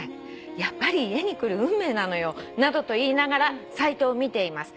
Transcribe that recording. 『やっぱり家に来る運命なのよ』などと言いながらサイトを見ています」